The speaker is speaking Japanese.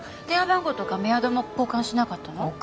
電話番号とかメアドも交換しなかったの？